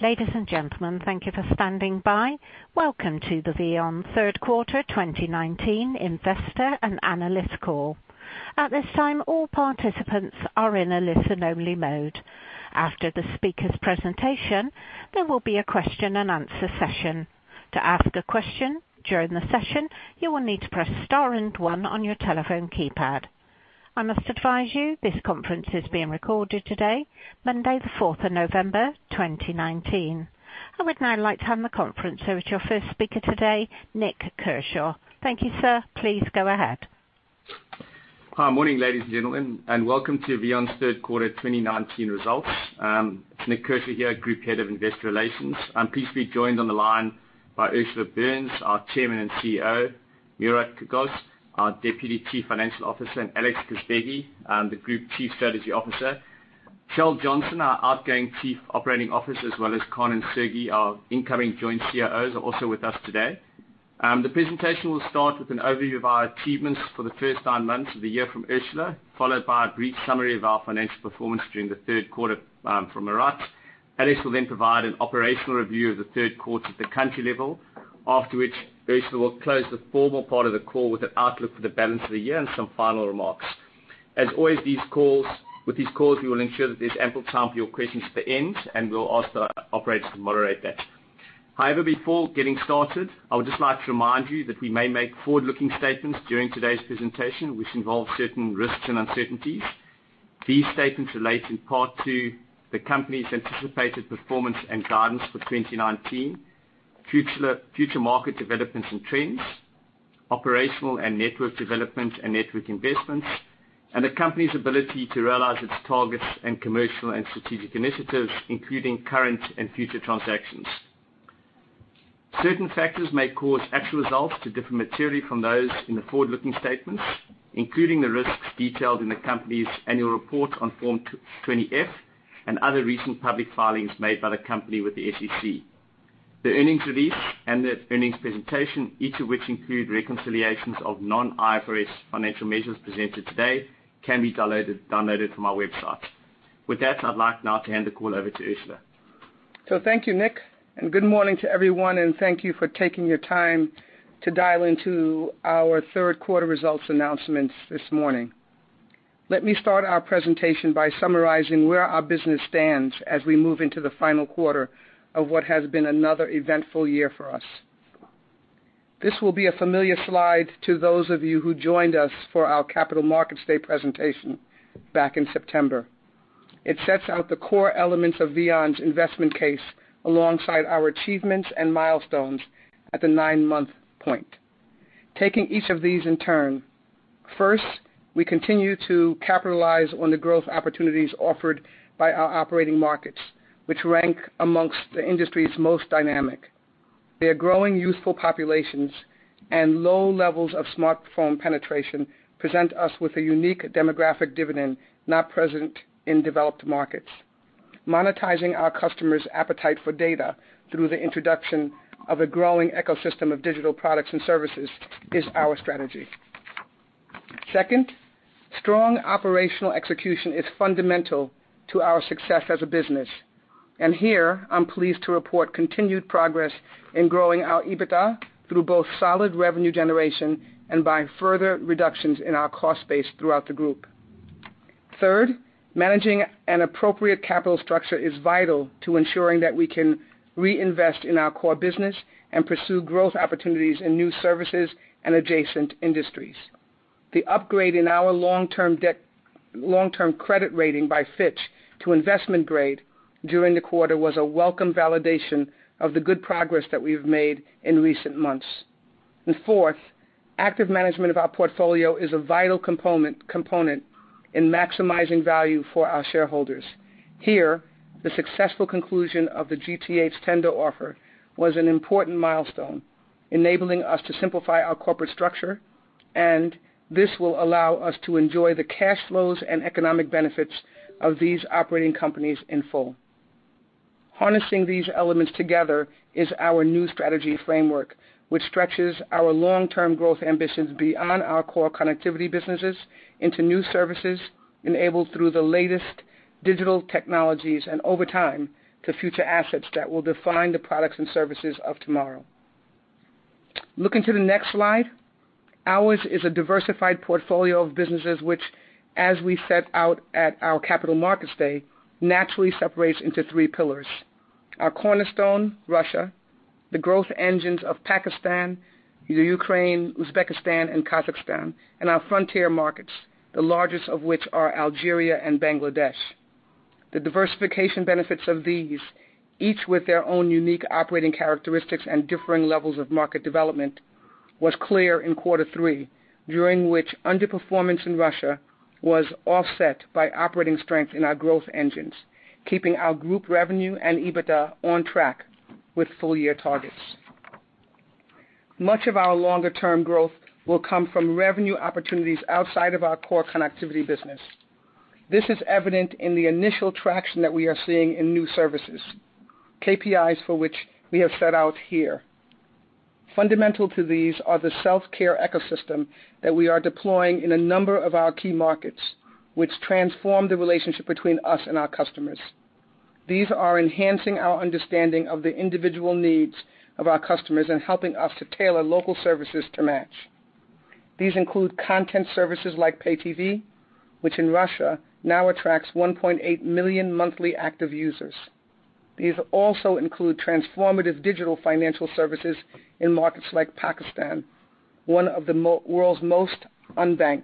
Ladies and gentlemen, thank you for standing by. Welcome to the VEON Third Quarter 2019 Investor and Analyst Call. At this time, all participants are in a listen only mode. After the speaker's presentation, there will be a question and answer session. To ask a question during the session, you will need to press star and one on your telephone keypad. I must advise you this conference is being recorded today, Monday the fourth of November, 2019. I would now like to hand the conference over to your first speaker today, Nik Kershaw. Thank you, sir. Please go ahead. Hi, morning ladies and gentlemen, and welcome to VEON's Third Quarter 2019 results. It's Nik Kershaw here, Group Head of Investor Relations. I'm pleased to be joined on the line by Ursula Burns, our Chairman and CEO, Murat Kucukos, our Deputy Chief Financial Officer, and Alex Kazbegi, the Group Chief Strategy Officer. Kjell Johnsen, our outgoing Chief Operating Officer, as well as Kaan and Sergi, our incoming joint CEOs, are also with us today. The presentation will start with an overview of our achievements for the first nine months of the year from Ursula, followed by a brief summary of our financial performance during the third quarter from Murat. Alex will then provide an operational review of the third quarter at the country level, after which Ursula will close the formal part of the call with an outlook for the balance of the year and some final remarks. As always, with these calls, we will ensure that there's ample time for your questions at the end, and we'll ask the operators to moderate that. However, before getting started, I would just like to remind you that we may make forward-looking statements during today's presentation, which involve certain risks and uncertainties. These statements relate in part to the company's anticipated performance and guidance for 2019, future market developments and trends, operational and network development and network investments, and the company's ability to realize its targets and commercial and strategic initiatives, including current and future transactions. Certain factors may cause actual results to differ materially from those in the forward-looking statements, including the risks detailed in the company's annual report on Form 20-F and other recent public filings made by the company with the SEC. The earnings release and the earnings presentation, each of which include reconciliations of non-IFRS financial measures presented today, can be downloaded from our website. With that, I'd like now to hand the call over to Ursula. Thank you, Nik, and good morning to everyone, and thank you for taking your time to dial into our third quarter results announcements this morning. Let me start our presentation by summarizing where our business stands as we move into the final quarter of what has been another eventful year for us. This will be a familiar slide to those of you who joined us for our Capital Markets Day presentation back in September. It sets out the core elements of VEON's investment case, alongside our achievements and milestones at the nine-month point. Taking each of these in turn. First, we continue to capitalize on the growth opportunities offered by our operating markets, which rank among the industry's most dynamic. Their growing youthful populations and low levels of smartphone penetration present us with a unique demographic dividend not present in developed markets. Monetizing our customers' appetite for data through the introduction of a growing ecosystem of digital products and services is our strategy. Second, strong operational execution is fundamental to our success as a business. Here, I'm pleased to report continued progress in growing our EBITDA through both solid revenue generation and by further reductions in our cost base throughout the group. Third, managing an appropriate capital structure is vital to ensuring that we can reinvest in our core business and pursue growth opportunities in new services and adjacent industries. The upgrade in our long-term credit rating by Fitch to investment grade during the quarter was a welcome validation of the good progress that we've made in recent months. Fourth, active management of our portfolio is a vital component in maximizing value for our shareholders. Here, the successful conclusion of the GTH tender offer was an important milestone, enabling us to simplify our corporate structure, and this will allow us to enjoy the cash flows and economic benefits of these operating companies in full. Harnessing these elements together is our new strategy framework, which stretches our long-term growth ambitions beyond our core connectivity businesses into new services enabled through the latest digital technologies and over time, to future assets that will define the products and services of tomorrow. Looking to the next slide. Ours is a diversified portfolio of businesses which, as we set out at our Capital Markets Day, naturally separates into three pillars. Our cornerstone, Russia, the growth engines of Pakistan, the Ukraine, Uzbekistan and Kazakhstan, and our frontier markets, the largest of which are Algeria and Bangladesh. The diversification benefits of these, each with their own unique operating characteristics and differing levels of market development, was clear in quarter three, during which underperformance in Russia was offset by operating strength in our growth engines, keeping our group revenue and EBITDA on track with full year targets. Much of our longer term growth will come from revenue opportunities outside of our core connectivity business. This is evident in the initial traction that we are seeing in new services, KPIs for which we have set out here. Fundamental to these are the self-care ecosystem that we are deploying in a number of our key markets, which transform the relationship between us and our customers. These are enhancing our understanding of the individual needs of our customers and helping us to tailor local services to match. These include content services like pay TV, which in Russia now attracts 1.8 million monthly active users. These also include transformative digital financial services in markets like Pakistan, one of the world's most unbanked,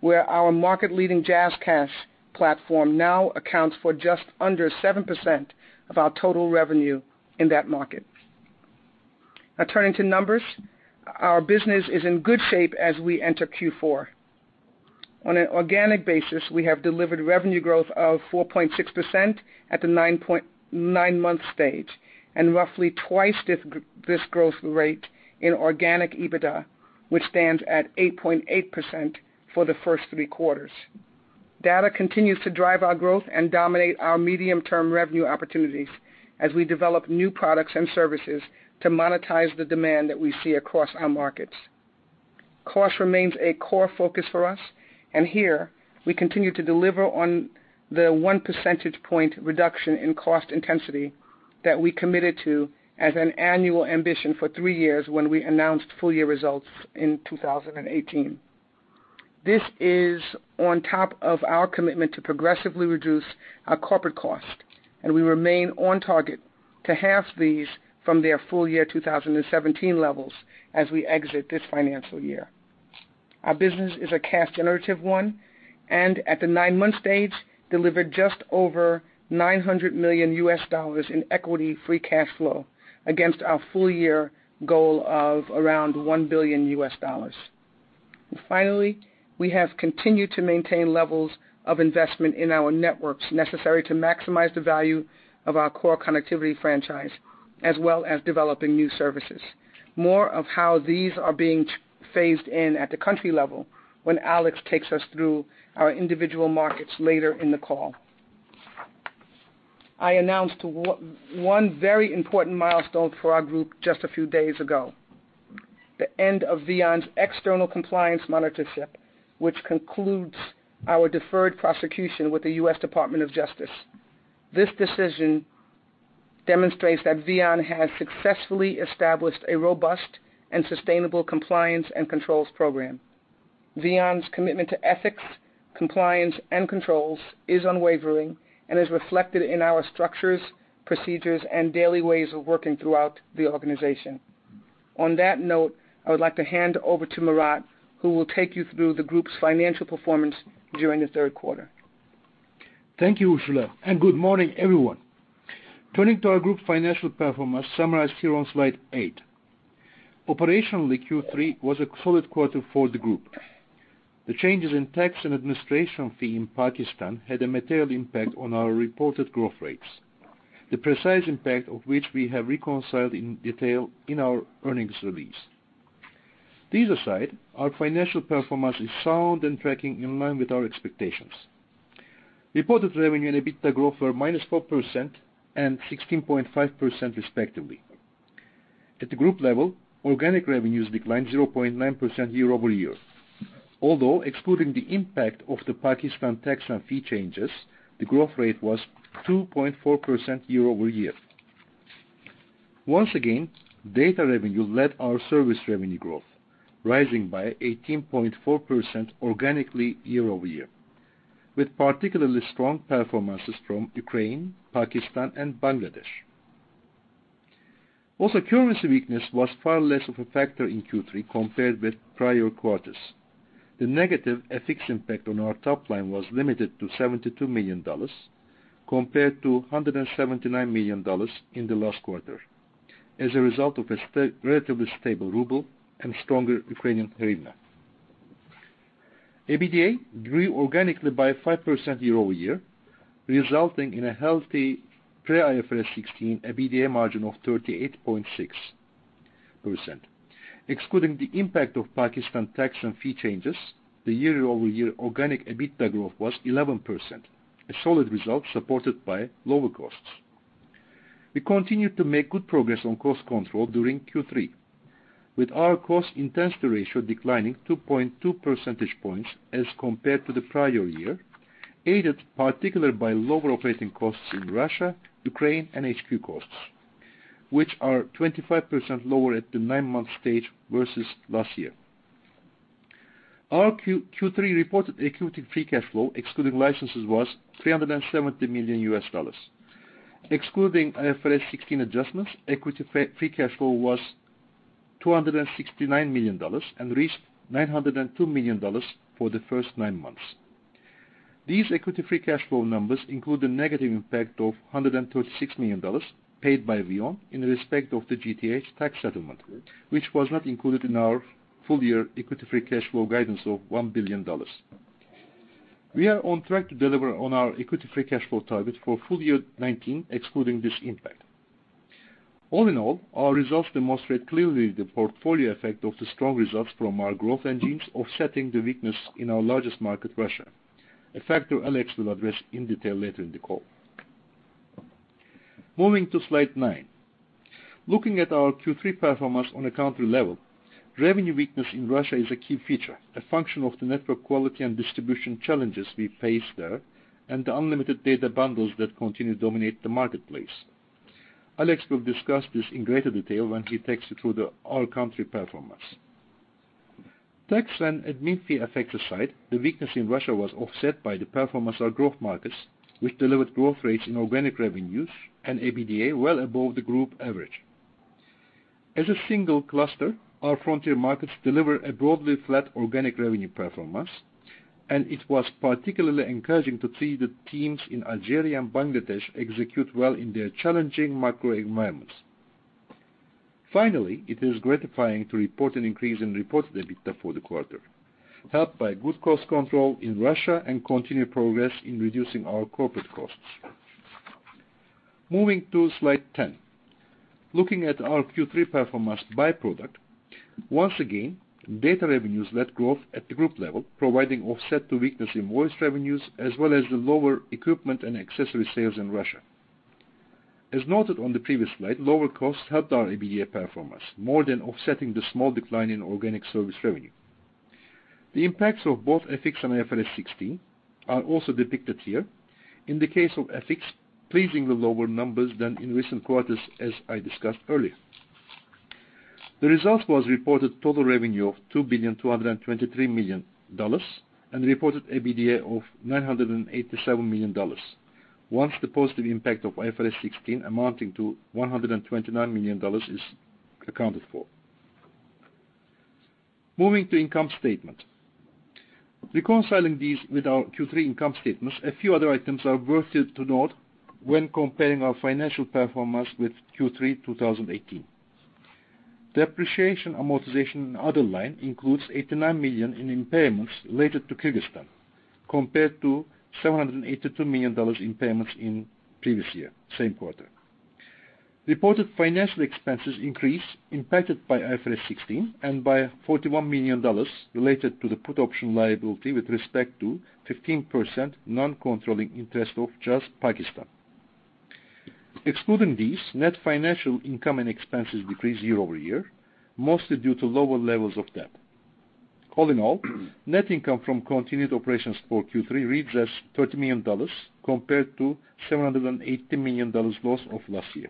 where our market-leading JazzCash platform now accounts for just under 7% of our total revenue in that market. Turning to numbers. Our business is in good shape as we enter Q4. On an organic basis, we have delivered revenue growth of 4.6% at the 9-month stage and roughly twice this growth rate in organic EBITDA, which stands at 8.8% for the first three quarters. Data continues to drive our growth and dominate our medium-term revenue opportunities, as we develop new products and services to monetize the demand that we see across our markets. Cost remains a core focus for us, and here we continue to deliver on the one percentage point reduction in cost intensity that we committed to as an annual ambition for three years when we announced full-year results in 2018. This is on top of our commitment to progressively reduce our corporate cost, and we remain on target to halve these from their full-year 2017 levels as we exit this financial year. Our business is a cash generative one, and at the 9-month stage, delivered just over $900 million in equity free cash flow against our full-year goal of around $1 billion. Finally, we have continued to maintain levels of investment in our networks necessary to maximize the value of our core connectivity franchise, as well as developing new services. More of how these are being phased in at the country level when Alex takes us through our individual markets later in the call. I announced one very important milestone for our group just a few days ago, the end of VEON's external compliance monitorship, which concludes our deferred prosecution with the U.S. Department of Justice. This decision demonstrates that VEON has successfully established a robust and sustainable compliance and controls program. VEON's commitment to ethics, compliance, and controls is unwavering and is reflected in our structures, procedures, and daily ways of working throughout the organization. On that note, I would like to hand over to Murat, who will take you through the group's financial performance during the third quarter. Thank you, Ursula, and good morning, everyone. Turning to our group financial performance summarized here on slide eight. Operationally, Q3 was a solid quarter for the group. The changes in tax and administration fee in Pakistan had a material impact on our reported growth rates, the precise impact of which we have reconciled in detail in our earnings release. These aside, our financial performance is sound and tracking in line with our expectations. Reported revenue and EBITDA growth were -4% and 16.5% respectively. At the group level, organic revenues declined 0.9% year-over-year. Excluding the impact of the Pakistan tax and fee changes, the growth rate was 2.4% year-over-year. Once again, data revenue led our service revenue growth, rising by 18.4% organically year-over-year, with particularly strong performances from Ukraine, Pakistan, and Bangladesh. Currency weakness was far less of a factor in Q3 compared with prior quarters. The negative FX impact on our top line was limited to $72 million compared to $179 million in the last quarter as a result of a relatively stable ruble and stronger Ukrainian hryvnia. EBITDA grew organically by 5% year-over-year, resulting in a healthy pre-IFRS 16 EBITDA margin of 38.6%. Excluding the impact of Pakistan tax and fee changes, the year-over-year organic EBITDA growth was 11%, a solid result supported by lower costs. We continued to make good progress on cost control during Q3, with our cost intensity ratio declining 2.2 percentage points as compared to the prior year, aided particularly by lower operating costs in Russia, Ukraine, and HQ costs, which are 25% lower at the 9-month stage versus last year. Our Q3 reported equity free cash flow, excluding licenses, was $370 million. Excluding IFRS 16 adjustments, equity free cash flow was $269 million and reached $902 million for the first nine months. These equity free cash flow numbers include a negative impact of $136 million paid by VEON in respect of the GTH tax settlement, which was not included in our full-year equity free cash flow guidance of $1 billion. We are on track to deliver on our equity free cash flow target for full year 2019, excluding this impact. All in all, our results demonstrate clearly the portfolio effect of the strong results from our growth engines offsetting the weakness in our largest market, Russia, a factor Alex will address in detail later in the call. Moving to slide nine. Looking at our Q3 performance on a country level, revenue weakness in Russia is a key feature, a function of the network quality and distribution challenges we face there, and the unlimited data bundles that continue to dominate the marketplace. Alex will discuss this in greater detail when he takes you through the all-country performance. Tax and admin fee effects aside, the weakness in Russia was offset by the performance of our growth markets, which delivered growth rates in organic revenues and EBITDA well above the group average. As a single cluster, our frontier markets deliver a broadly flat organic revenue performance, and it was particularly encouraging to see the teams in Algeria and Bangladesh execute well in their challenging macro environments. Finally, it is gratifying to report an increase in reported EBITDA for the quarter, helped by good cost control in Russia and continued progress in reducing our corporate costs. Moving to slide 10. Looking at our Q3 performance by product, once again, data revenues led growth at the group level, providing offset to weakness in voice revenues, as well as the lower equipment and accessory sales in Russia. As noted on the previous slide, lower costs helped our EBITDA performance, more than offsetting the small decline in organic service revenue. The impacts of both FX and IFRS 16 are also depicted here. In the case of FX, pleasing the lower numbers than in recent quarters, as I discussed earlier. The result was reported total revenue of $2,223,000,000 and reported EBITDA of $987 million, once the positive impact of IFRS 16 amounting to $129 million is accounted for. Moving to income statement. Reconciling these with our Q3 income statement, a few other items are worth it to note when comparing our financial performance with Q3 2018. Depreciation, amortization, and other line includes $89 million in impairments related to Kyrgyzstan, compared to $782 million in impairments in previous year, same quarter. Reported financial expenses increased impacted by IFRS 16 and by $41 million related to the put option liability with respect to 15% non-controlling interest of Jazz Pakistan. Excluding these, net financial income and expenses decreased year-over-year, mostly due to lower levels of debt. All in all, net income from continued operations for Q3 reaches $30 million compared to $780 million dollars loss of last year.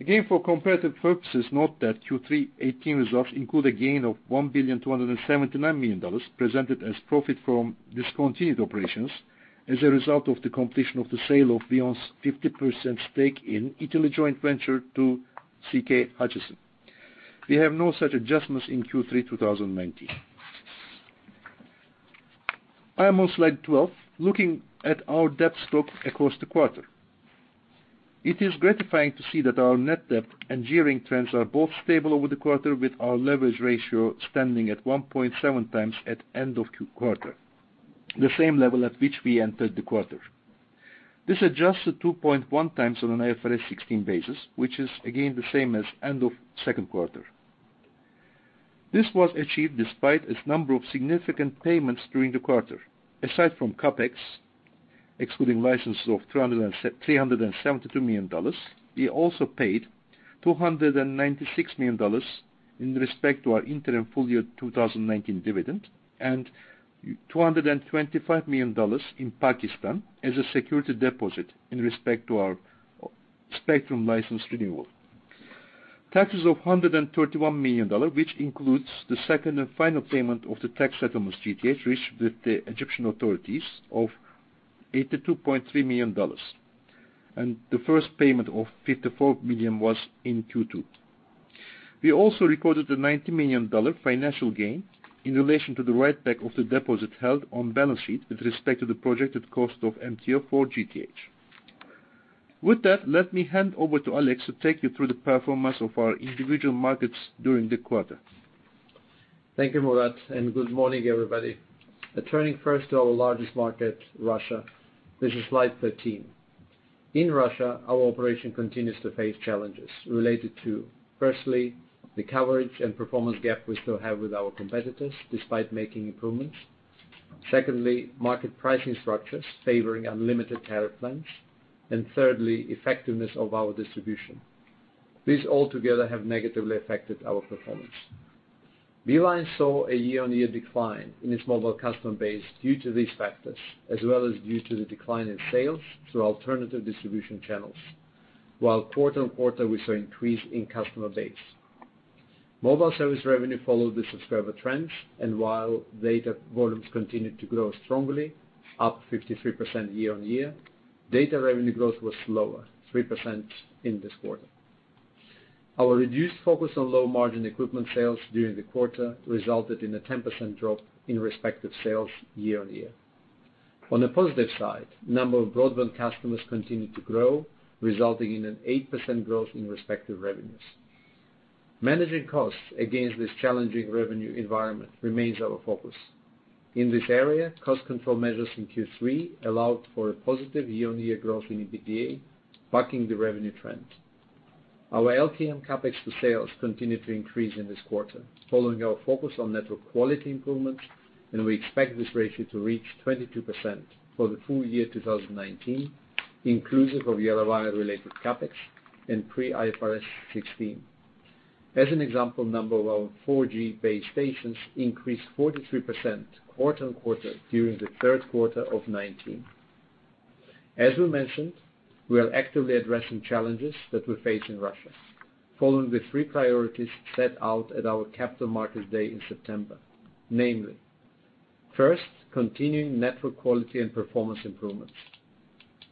Again, for comparative purposes, note that Q3 2018 results include a gain of $1,279,000,000 presented as profit from discontinued operations as a result of the completion of the sale of VEON's 50% stake in Italy joint venture to CK Hutchison. We have no such adjustments in Q3 2019. I am on slide 12, looking at our debt stock across the quarter. It is gratifying to see that our net debt and gearing trends are both stable over the quarter, with our leverage ratio standing at 1.7 times at end of quarter, the same level at which we entered the quarter. This adjusts to 2.1 times on an IFRS 16 basis, which is again the same as end of second quarter. This was achieved despite its number of significant payments during the quarter. Aside from CapEx, excluding licenses of $372 million, we also paid $296 million in respect to our interim full year 2019 dividend, and $225 million in Pakistan as a security deposit in respect to our spectrum license renewal. Taxes of $131 million, which includes the second and final payment of the tax settlement with GTH, reached with the Egyptian authorities of $82.3 million, and the first payment of $54 million was in Q2. We also recorded a $90 million financial gain in relation to the write-back of the deposit held on balance sheet with respect to the projected cost of MTO for GTH. With that, let me hand over to Alex to take you through the performance of our individual markets during the quarter. Thank you, Murat. Good morning, everybody. Turning first to our largest market, Russia. This is slide 13. In Russia, our operation continues to face challenges related to, firstly, the coverage and performance gap we still have with our competitors, despite making improvements. Secondly, market pricing structures favoring unlimited tariff plans. Thirdly, effectiveness of our distribution. These all together have negatively affected our performance. Beeline saw a year-on-year decline in its mobile customer base due to these factors, as well as due to the decline in sales through alternative distribution channels. While quarter-on-quarter, we saw increase in customer base. Mobile service revenue followed the subscriber trends, and while data volumes continued to grow strongly, up 53% year-on-year, data revenue growth was slower, 3% in this quarter. Our reduced focus on low margin equipment sales during the quarter resulted in a 10% drop in respective sales year-on-year. On the positive side, number of broadband customers continued to grow, resulting in an 8% growth in respective revenues. Managing costs against this challenging revenue environment remains our focus. In this area, cost control measures in Q3 allowed for a positive year-on-year growth in EBITDA, bucking the revenue trend. Our LTM CapEx to sales continued to increase in this quarter, following our focus on network quality improvements, and we expect this ratio to reach 22% for the full year 2019, inclusive of Yarovaya-related CapEx and pre-IFRS 16. As an example, number of our 4G base stations increased 43% quarter-on-quarter during the third quarter of 2019. As we mentioned, we are actively addressing challenges that we face in Russia, following the three priorities set out at our Capital Markets Day in September. Namely, first, continuing network quality and performance improvements.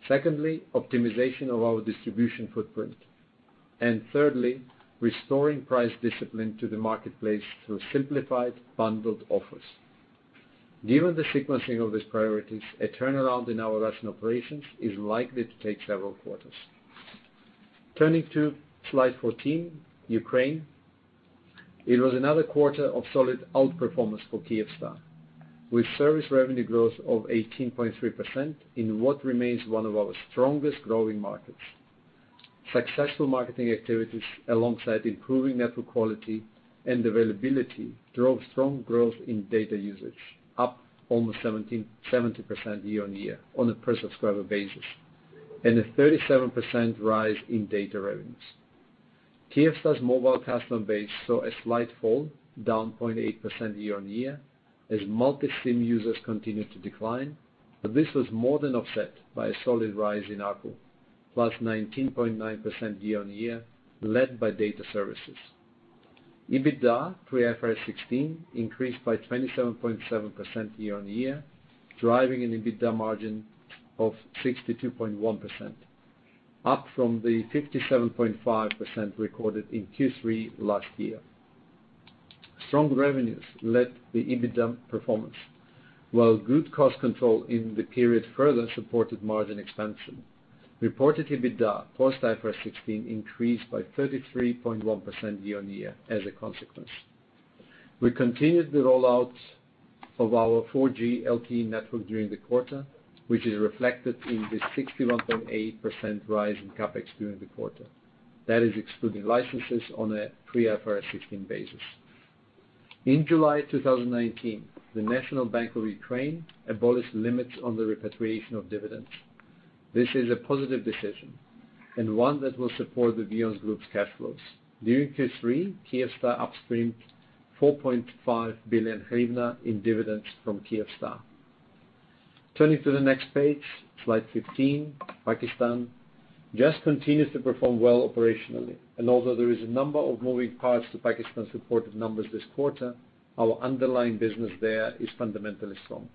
Secondly, optimization of our distribution footprint. Thirdly, restoring price discipline to the marketplace through simplified bundled offers. Given the sequencing of these priorities, a turnaround in our Russian operations is likely to take several quarters. Turning to slide 14, Ukraine. It was another quarter of solid outperformance for Kyivstar. With service revenue growth of 18.3% in what remains one of our strongest growing markets. Successful marketing activities alongside improving network quality and availability drove strong growth in data usage, up almost 17% year-on-year on a per subscriber basis, and a 37% rise in data revenues. Kyivstar's mobile customer base saw a slight fall, down 0.8% year-on-year, as multi-SIM users continued to decline, but this was more than offset by a solid rise in ARPU, +19.9% year-on-year, led by data services. EBITDA, pre-IFRS 16, increased by 27.7% year-on-year, driving an EBITDA margin of 62.1%, up from the 57.5% recorded in Q3 last year. Strong revenues led the EBITDA performance, while good cost control in the period further supported margin expansion. Reported EBITDA, post IFRS 16, increased by 33.1% year-on-year as a consequence. We continued the rollout of our 4G LTE network during the quarter, which is reflected in the 61.8% rise in CapEx during the quarter. That is excluding licenses on a pre-IFRS 16 basis. In July 2019, the National Bank of Ukraine abolished limits on the repatriation of dividends. This is a positive decision, and one that will support the VEON group's cash flows. During Q3, Kyivstar upstreamed 4.5 billion hryvnia in dividends from Kyivstar. Turning to the next page, slide 15, Pakistan. Jazz continues to perform well operationally, and although there is a number of moving parts to Pakistan's reported numbers this quarter, our underlying business there is fundamentally strong.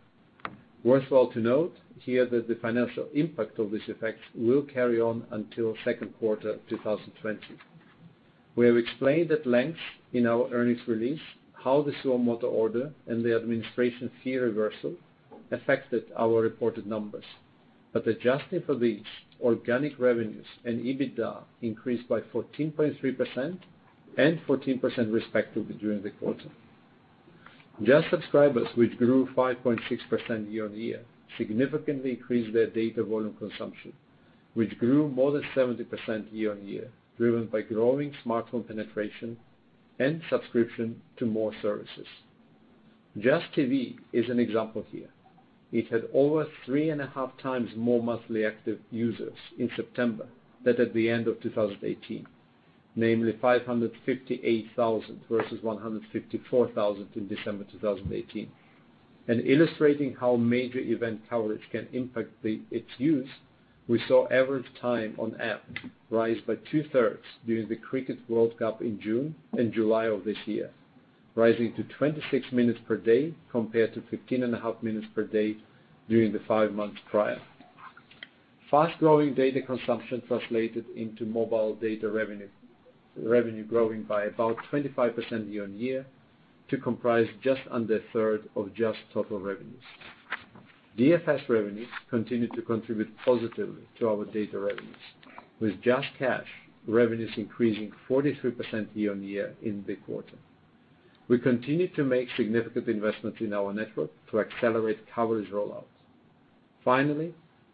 Worthwhile to note here that the financial impact of this effect will carry on until second quarter 2020. We have explained at length in our earnings release how the suo moto order and the administration fee reversal affected our reported numbers. Adjusting for these, organic revenues and EBITDA increased by 14.3% and 14% respectively during the quarter. Jazz subscribers, which grew 5.6% year-on-year, significantly increased their data volume consumption, which grew more than 70% year-on-year, driven by growing smartphone penetration and subscription to more services. Jazz TV is an example here. It had over three and a half times more monthly active users in September than at the end of 2018, namely 558,000 versus 154,000 in December 2018. Illustrating how major event coverage can impact its use, we saw average time on app rise by two-thirds during the Cricket World Cup in June and July of this year. Rising to 26 minutes per day, compared to 15 and a half minutes per day during the five months prior. Fast-growing data consumption translated into mobile data revenue growing by about 25% year-on-year to comprise just under a third of Jazz total revenues. DFS revenues continued to contribute positively to our data revenues, with JazzCash revenues increasing 43% year-on-year in the quarter. We continue to make significant investments in our network to accelerate coverage rollouts.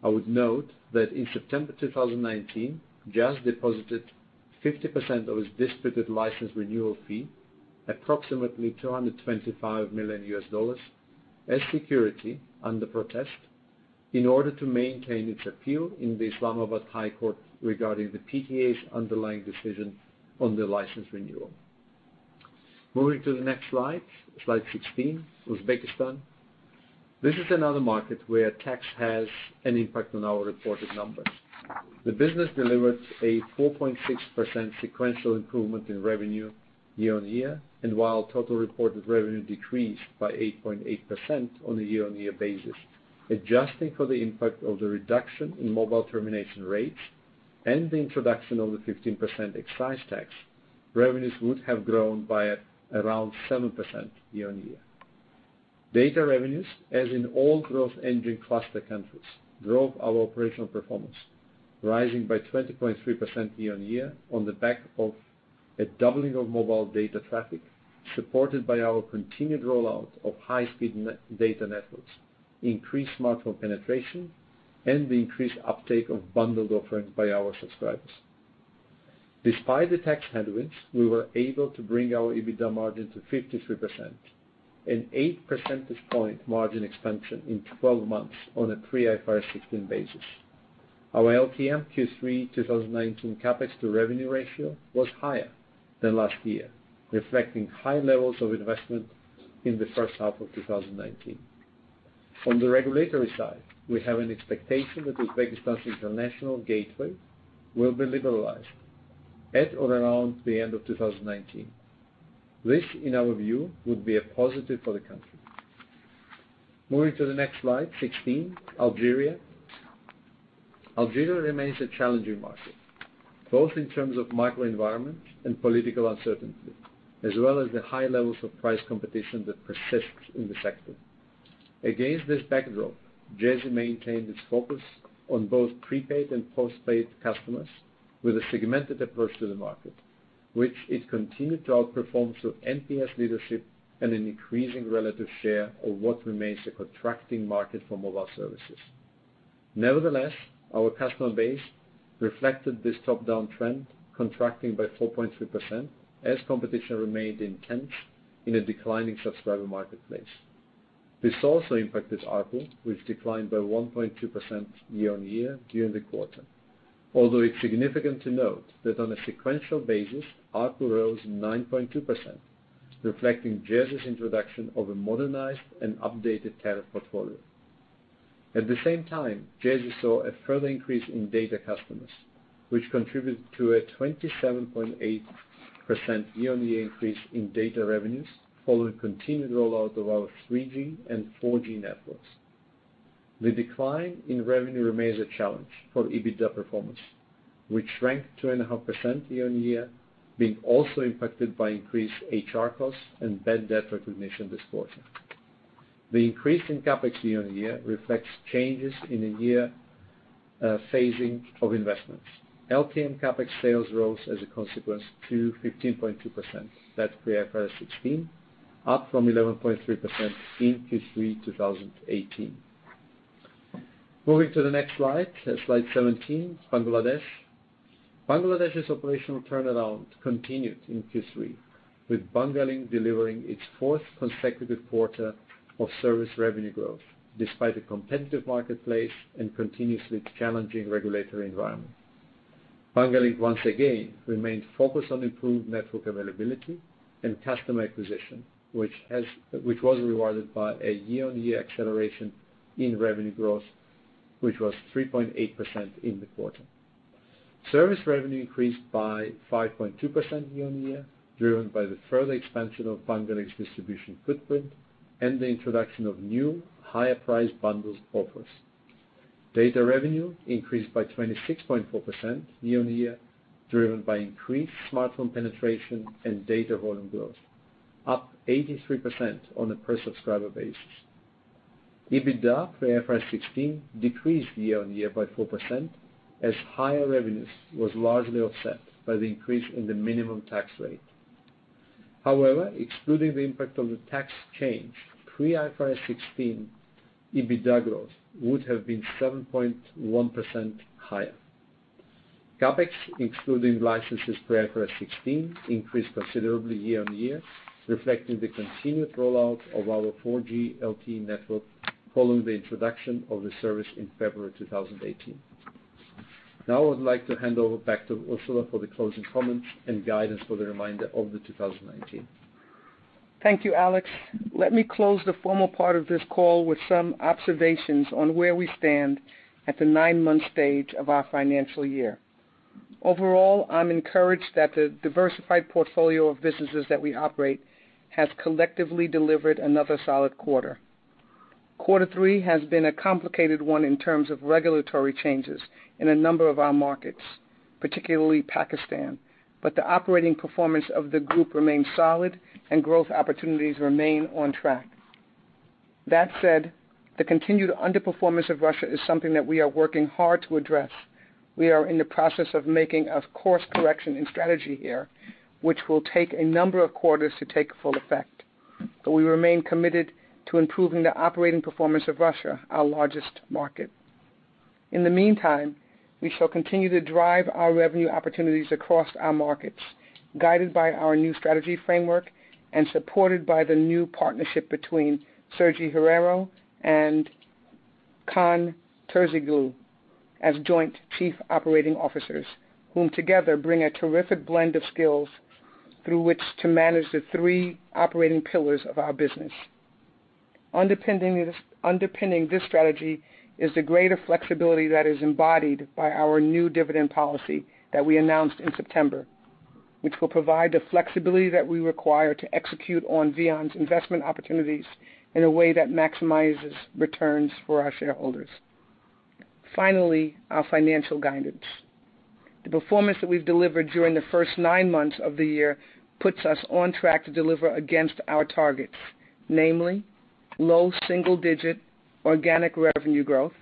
I would note that in September 2019, Jazz deposited 50% of its disputed license renewal fee, approximately $225 million, as security under protest in order to maintain its appeal in the Islamabad High Court regarding the PTA's underlying decision on the license renewal. Moving to the next slide 16, Uzbekistan. This is another market where tax has an impact on our reported numbers. The business delivered a 4.6% sequential improvement in revenue year-on-year. While total reported revenue decreased by 8.8% on a year-on-year basis, adjusting for the impact of the reduction in mobile termination rates and the introduction of the 15% excise tax, revenues would have grown by around 7% year-on-year. Data revenues, as in all growth engine cluster countries, drove our operational performance, rising by 20.3% year-on-year on the back of a doubling of mobile data traffic, supported by our continued rollout of high-speed data networks, increased smartphone penetration and the increased uptake of bundled offerings by our subscribers. Despite the tax headwinds, we were able to bring our EBITDA margin to 53%, an eight-percentage point margin expansion in 12 months on a pre IFRS 16 basis. Our LTM Q3 2019 CapEx to revenue ratio was higher than last year, reflecting high levels of investment in the first half of 2019. On the regulatory side, we have an expectation that Uzbekistan's international gateway will be liberalized at or around the end of 2019. This, in our view, would be a positive for the country. Moving to the next slide, 16, Algeria. Algeria remains a challenging market, both in terms of microenvironment and political uncertainty, as well as the high levels of price competition that persists in the sector. Against this backdrop, Djezzy maintained its focus on both prepaid and postpaid customers with a segmented approach to the market, which it continued to outperform through NPS leadership and an increasing relative share of what remains a contracting market for mobile services. Our customer base reflected this top-down trend, contracting by 4.3% as competition remained intense in a declining subscriber marketplace. This also impacted ARPU, which declined by 1.2% year-on-year during the quarter. It's significant to note that on a sequential basis, ARPU rose 9.2%, reflecting Djezzy's introduction of a modernized and updated tariff portfolio. At the same time, Djezzy saw a further increase in data customers, which contributed to a 27.8% year-on-year increase in data revenues, following continued rollout of our 3G and 4G networks. The decline in revenue remains a challenge for EBITDA performance, which ranked 2.5% year-on-year, being also impacted by increased HR costs and bad debt recognition this quarter. The increase in CapEx year-on-year reflects changes in a year phasing of investments. LTM CapEx sales rose as a consequence to 15.2%, that's pre IFRS 16, up from 11.3% in Q3 2018. Moving to the next slide 17, Bangladesh. Bangladesh's operational turnaround continued in Q3, with Banglalink delivering its fourth consecutive quarter of service revenue growth, despite a competitive marketplace and continuously challenging regulatory environment. Banglalink once again remained focused on improved network availability and customer acquisition, which was rewarded by a year-on-year acceleration in revenue growth, which was 3.8% in the quarter. Service revenue increased by 5.2% year on year, driven by the further expansion of Banglalink's distribution footprint and the introduction of new higher priced bundled offers. Data revenue increased by 26.4% year on year, driven by increased smartphone penetration and data volume growth, up 83% on a per subscriber basis. EBITDA pre IFRS 16 decreased year on year by 4%, as higher revenues was largely offset by the increase in the minimum tax rate. However, excluding the impact of the tax change, pre IFRS 16 EBITDA growth would have been 7.1% higher. CapEx, excluding licenses, pre IFRS 16 increased considerably year on year, reflecting the continued rollout of our 4G LTE network following the introduction of the service in February 2018. Now I would like to hand over back to Ursula for the closing comments and guidance for the remainder of 2019. Thank you, Alex. Let me close the formal part of this call with some observations on where we stand at the nine-month stage of our financial year. Overall, I'm encouraged that the diversified portfolio of businesses that we operate has collectively delivered another solid quarter. Quarter three has been a complicated one in terms of regulatory changes in a number of our markets, particularly Pakistan. The operating performance of the group remains solid and growth opportunities remain on track. That said, the continued underperformance of Russia is something that we are working hard to address. We are in the process of making a course correction in strategy here, which will take a number of quarters to take full effect. We remain committed to improving the operating performance of Russia, our largest market. In the meantime, we shall continue to drive our revenue opportunities across our markets, guided by our new strategy framework and supported by the new partnership between Sergi Herrero and Kaan Terzioglu as joint Chief Operating Officers, whom together bring a terrific blend of skills through which to manage the three operating pillars of our business. Underpinning this strategy is the greater flexibility that is embodied by our new dividend policy that we announced in September, which will provide the flexibility that we require to execute on VEON's investment opportunities in a way that maximizes returns for our shareholders. Finally, our financial guidance. The performance that we've delivered during the first nine months of the year puts us on track to deliver against our targets, namely, low single digit organic revenue growth,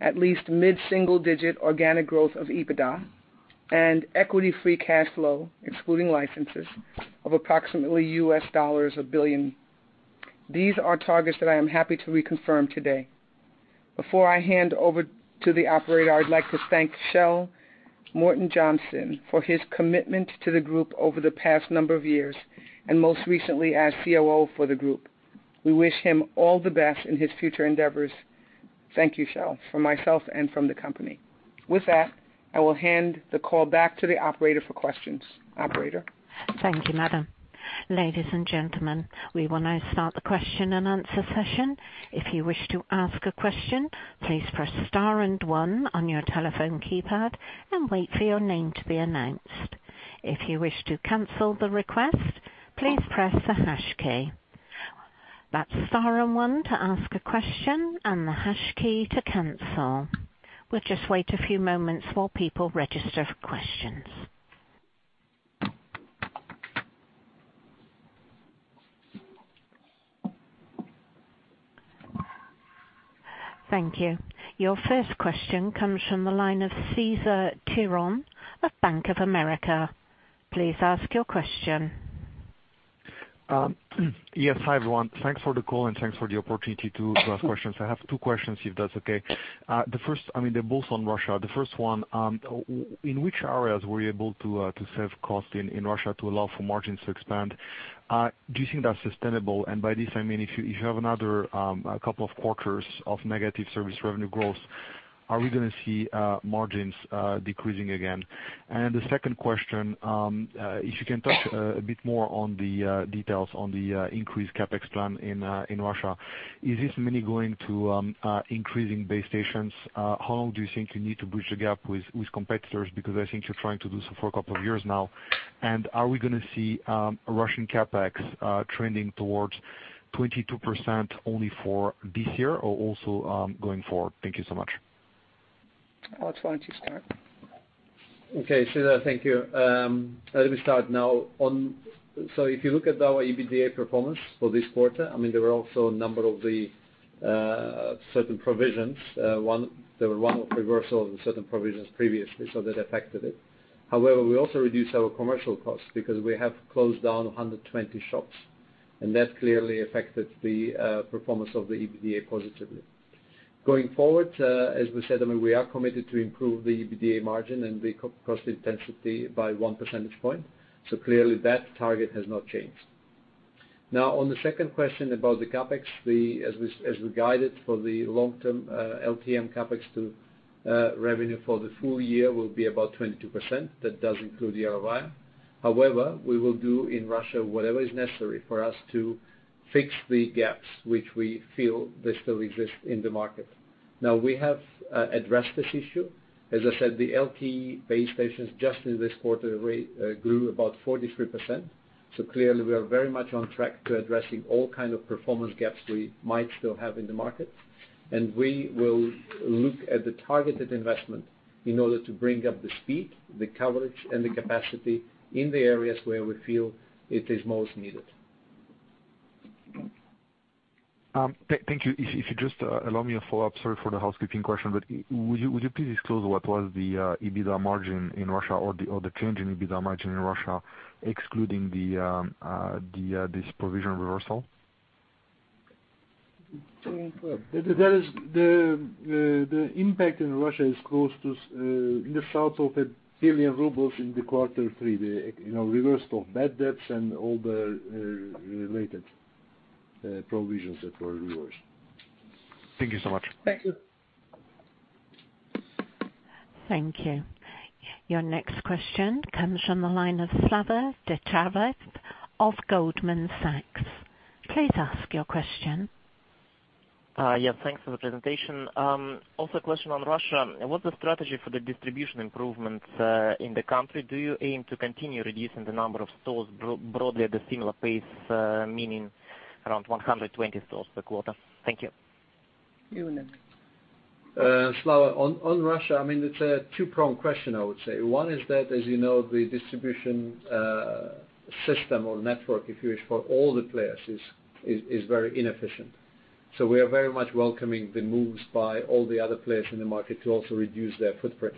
at least mid-single digit organic growth of EBITDA, and equity free cash flow, excluding licenses, of approximately 1 billion US dollars. These are targets that I am happy to reconfirm today. Before I hand over to the operator, I would like to thank Kjell Morten Johnsen for his commitment to the group over the past number of years, and most recently as COO for the group. We wish him all the best in his future endeavors. Thank you, Kjell, from myself and from the company. With that, I will hand the call back to the operator for questions. Operator? Thank you, madam. Ladies and gentlemen, we will now start the question and answer session. If you wish to ask a question, please press star and one on your telephone keypad and wait for your name to be announced. If you wish to cancel the request, please press the hash key. That's star and one to ask a question, and the hash key to cancel. We'll just wait a few moments while people register for questions. Thank you. Your first question comes from the line of Cesar Tiron of Bank of America. Please ask your question. Hi, everyone. Thanks for the call, thanks for the opportunity to ask questions. I have two questions, if that's okay. They're both on Russia. The first one, in which areas were you able to save cost in Russia to allow for margins to expand? Do you think that's sustainable? By this I mean, if you have another couple of quarters of negative service revenue growth, are we going to see margins decreasing again? The second question, if you can talk a bit more on the details on the increased CapEx plan in Russia. Is this mainly going to increasing base stations? How long do you think you need to bridge the gap with competitors? I think you're trying to do so for a couple of years now. Are we going to see Russian CapEx trending towards 22% only for this year or also going forward? Thank you so much. Alex, why don't you start? Cesar, thank you. Let me start now. If you look at our EBITDA performance for this quarter, there were also a number of the certain provisions. There were one reversal of certain provisions previously, that affected it. However, we also reduced our commercial costs because we have closed down 120 shops, that clearly affected the performance of the EBITDA positively. Going forward, as we said, we are committed to improve the EBITDA margin and the cost intensity by one percentage point. Clearly that target has not changed. Now, on the second question about the CapEx, as we guided for the long-term LTM CapEx to revenue for the full year will be about 22%. That does include the ROI. However, we will do in Russia whatever is necessary for us to fix the gaps which we feel they still exist in the market. We have addressed this issue. As I said, the LTE base stations just in this quarter grew about 43%. Clearly we are very much on track to addressing all kind of performance gaps we might still have in the market. We will look at the targeted investment in order to bring up the speed, the coverage, and the capacity in the areas where we feel it is most needed. Thank you. If you just allow me a follow-up. Sorry for the housekeeping question, would you please disclose what was the EBITDA margin in Russia or the change in EBITDA margin in Russia, excluding this provision reversal? Go ahead. The impact in Russia is close to in the south of 1 billion rubles in the quarter three, the reversal of bad debts and all the related provisions that were reversed. Thank you so much. Thank you. Thank you. Your next question comes from the line of Vyacheslav Degterev of Goldman Sachs. Please ask your question. Yes, thanks for the presentation. A question on Russia. What's the strategy for the distribution improvements in the country? Do you aim to continue reducing the number of stores broadly at a similar pace, meaning around 120 stores per quarter? Thank you. Ionut. Slava, on Russia, it's a two-pronged question, I would say. One is that, as you know, the distribution system or network, if you wish, for all the players is very inefficient. We are very much welcoming the moves by all the other players in the market to also reduce their footprint.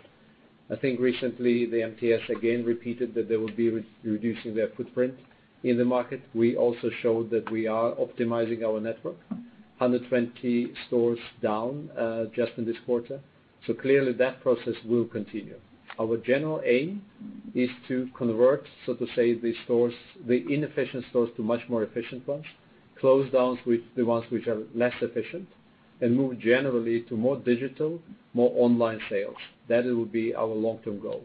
I think recently the MTS again repeated that they will be reducing their footprint in the market. We also showed that we are optimizing our network, 120 stores down just in this quarter. Clearly that process will continue. Our general aim is to convert, so to say, the inefficient stores to much more efficient ones, close down the ones which are less efficient, and move generally to more digital, more online sales. That will be our long-term goal.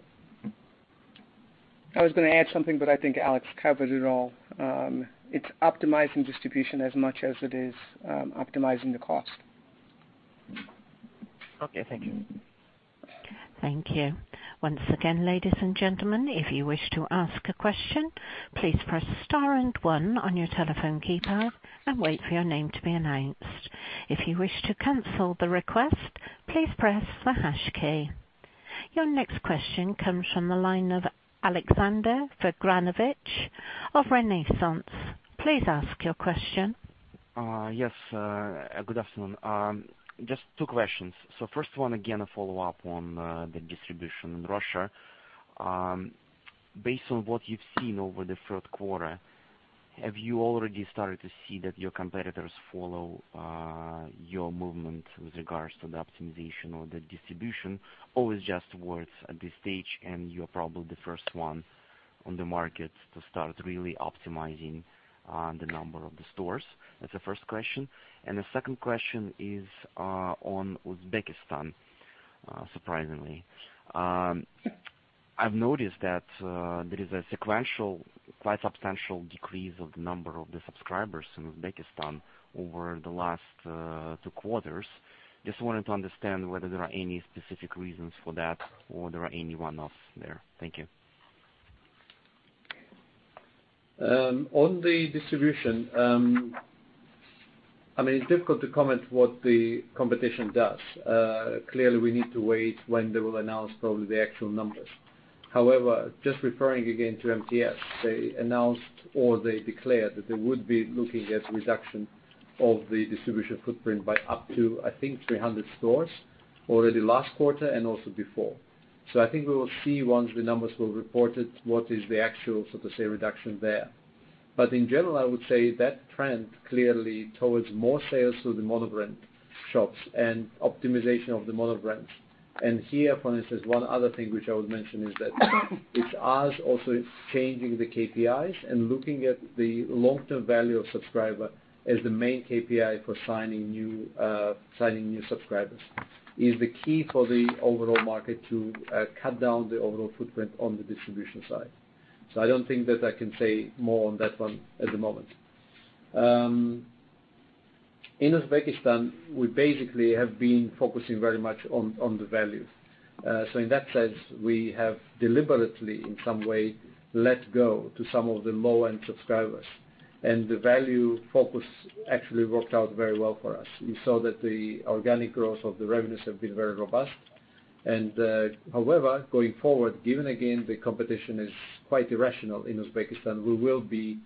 I was going to add something, but I think Alex covered it all. It's optimizing distribution as much as it is optimizing the cost. Okay. Thank you. Thank you. Once again, ladies and gentlemen, if you wish to ask a question, please press star and one on your telephone keypad and wait for your name to be announced. If you wish to cancel the request, please press the hash key. Your next question comes from the line of Alexander Vengranovich of Renaissance. Please ask your question. Yes, good afternoon. Just two questions. First one, again, a follow-up on the distribution in Russia. Based on what you've seen over the third quarter, have you already started to see that your competitors follow your movement with regards to the optimization or the distribution? Is just words at this stage, and you're probably the first one on the market to start really optimizing the number of the stores? That's the first question. The second question is on Uzbekistan, surprisingly. I've noticed that there is a sequential, quite substantial decrease of number of the subscribers in Uzbekistan over the last two quarters. Just wanted to understand whether there are any specific reasons for that or there are any one-offs there. Thank you. On the distribution, it's difficult to comment what the competition does. Clearly, we need to wait when they will announce probably the actual numbers. However, just referring again to MTS, they announced, or they declared that they would be looking at reduction of the distribution footprint by up to, I think, 300 stores already last quarter and also before. I think we will see once the numbers were reported, what is the actual reduction there. In general, I would say that trend clearly towards more sales through the monobrand shops and optimization of the monobrand. Here, for instance, one other thing which I would mention is that it's us also changing the KPIs and looking at the long-term value of subscriber as the main KPI for signing new subscribers is the key for the overall market to cut down the overall footprint on the distribution side. I don't think that I can say more on that one at the moment. In Uzbekistan, we basically have been focusing very much on the value. In that sense, we have deliberately, in some way, let go to some of the low-end subscribers, and the value focus actually worked out very well for us. We saw that the organic growth of the revenues have been very robust. However, going forward, given again, the competition is quite irrational in Uzbekistan, we will be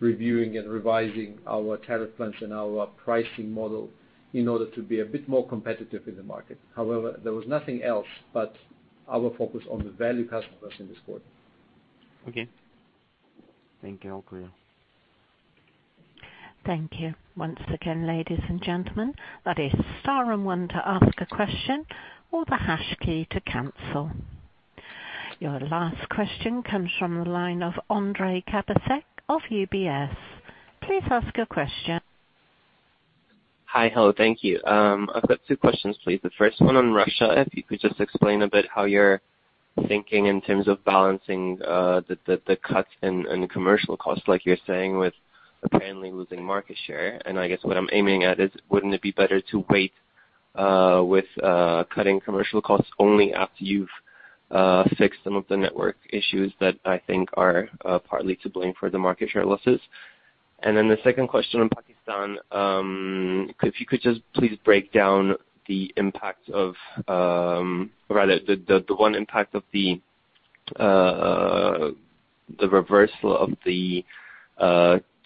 reviewing and revising our tariff plans and our pricing model in order to be a bit more competitive in the market. However, there was nothing else but our focus on the value customers in this quarter. Okay. Thank you. All clear. Thank you. Once again, ladies and gentlemen, that is star and one to ask a question or the hash key to cancel. Your last question comes from the line of Andreas Kabisch of UBS. Please ask your question. Hi. Hello. Thank you. I've got two questions, please. The first one on Russia, if you could just explain a bit how you're thinking in terms of balancing the cuts and the commercial costs, like you're saying, with apparently losing market share. I guess what I'm aiming at is, wouldn't it be better to wait with cutting commercial costs only after you've fixed some of the network issues that I think are partly to blame for the market share losses? The second question on Pakistan, if you could just please break down the impact of, rather the one impact of the reversal of the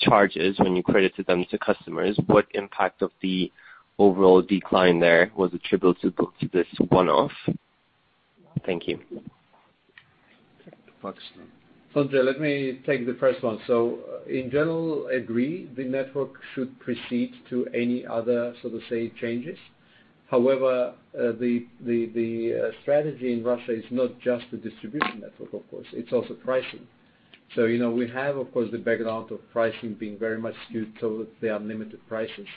charges when you credited them to customers. What impact of the overall decline there was attributable to this one-off? Thank you. Pakistan. Andre, let me take the first one. In general, agree the network should precede to any other sort of say, changes. However, the strategy in Russia is not just the distribution network, of course, it's also pricing. We have, of course, the background of pricing being very much skewed towards the unlimited prices.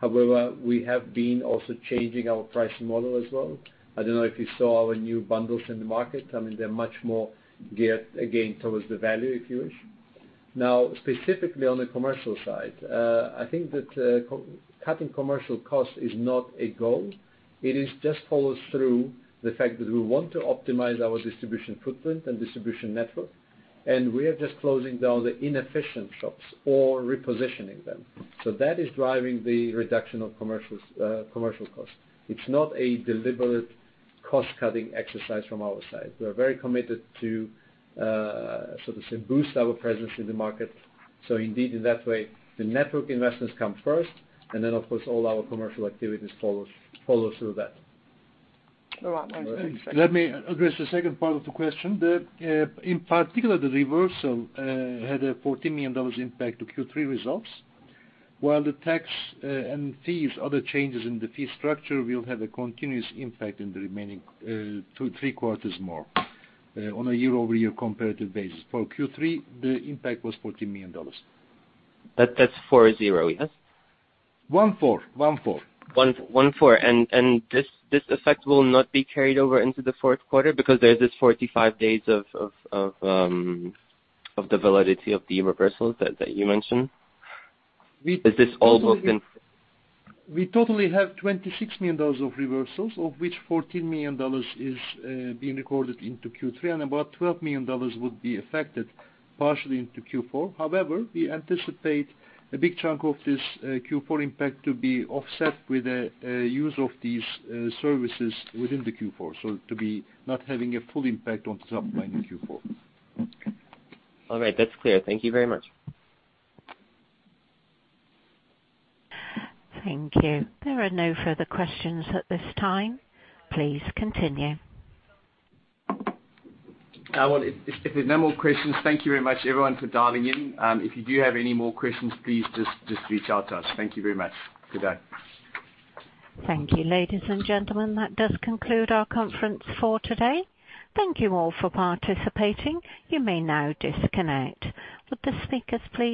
However, we have been also changing our pricing model as well. I don't know if you saw our new bundles in the market. They are much more geared, again, towards the value, if you wish. Specifically on the commercial side, I think that cutting commercial cost is not a goal. It just follows through the fact that we want to optimize our distribution footprint and distribution network, and we are just closing down the inefficient shops or repositioning them. That is driving the reduction of commercial cost. It's not a deliberate cost-cutting exercise from our side. We are very committed to boost our presence in the market. Indeed, in that way, the network investments come first, and then, of course, all our commercial activities follow through that. Go on, Let me address the second part of the question. In particular, the reversal had a $14 million impact to Q3 results. While the tax and fees, other changes in the fee structure will have a continuous impact in the remaining three quarters more on a year-over-year comparative basis. For Q3, the impact was $14 million. That's 40, yes? One four. One four. 14. This effect will not be carried over into the fourth quarter because there's this 45 days of the validity of the reversals that you mentioned? Is this all open? We totally have $26 million of reversals, of which $14 million is being recorded into Q3, and about $12 million would be affected partially into Q4. However, we anticipate a big chunk of this Q4 impact to be offset with the use of these services within the Q4. To be not having a full impact on top line in Q4. All right. That's clear. Thank you very much. Thank you. There are no further questions at this time. Please continue. Well, if there's no more questions, thank you very much, everyone, for dialing in. If you do have any more questions, please just reach out to us. Thank you very much. Good day. Thank you, ladies and gentlemen. That does conclude our conference for today. Thank you all for participating. You may now disconnect.